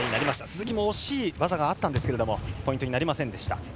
鈴木も惜しい技があったんですがポイントになりませんでした。